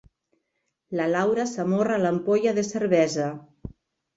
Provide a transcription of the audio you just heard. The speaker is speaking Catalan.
La Laura s'amorra a l'ampolla de cervesa.